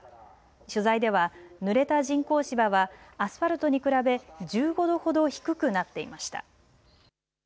取材では、ぬれた人工芝はアスファルトに比べ１５度ほど低くなっていました。